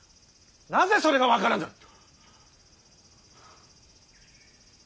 なぜそれが分からぬ。